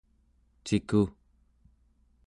ciku